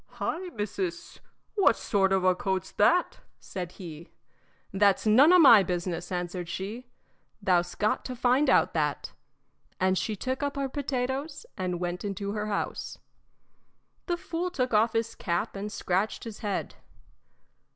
"Hi, missis; what sort of a coat's that?" said he. "That's none o' my business," answered she, "Thou 'st got to find out that." And she took up her potatoes and went into her house. The fool took off his cap and scratched his head.